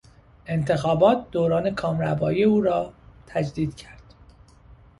انتخابات دوران کامروایی او را تجدید کرد.